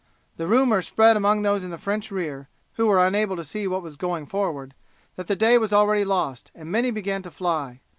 The rumour spread among those in the French rear, who were unable to see what was going forward, that the day was already lost, and many began to fly.